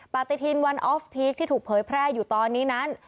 ปฏิทินวันออฟพีคที่ถูกเผยแพร่อยู่ตอนนี้นั้น